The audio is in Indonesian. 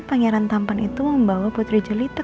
pangeran tampan itu membawa putri jelita